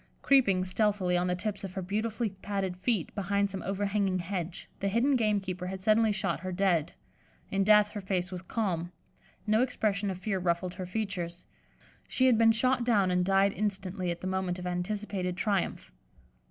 Creeping, stealthily, on the tips of her beautifully padded feet, behind some overhanging hedge, the hidden gamekeeper had suddenly shot her dead. In death her face was calm; no expression of fear ruffled her features; she had been shot down and died instantly at the moment of anticipated triumph.